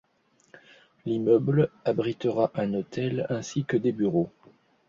L'immeuble abritera un hôtel ainsi que des bureaux.